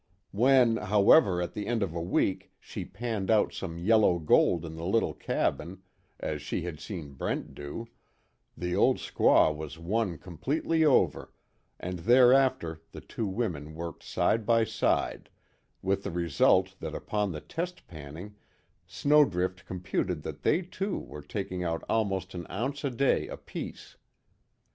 When, however, at the end of a week she panned out some yellow gold in the little cabin, as she had seen Brent do, the old squaw was won completely over, and thereafter the two women worked side by side, with the result that upon the test panning, Snowdrift computed that they, too, were taking out almost an ounce a day apiece.